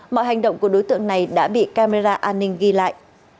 mọi hành động của đối tượng này đã bị camera an ninh ghi lại